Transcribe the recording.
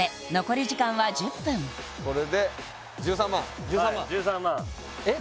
ここで１３万えっ